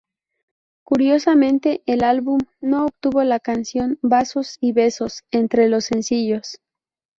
Curiosamente, el álbum no contuvo la canción ¨Vasos y Besos¨ entre los sencillos.